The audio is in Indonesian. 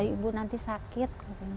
ibu nanti sakit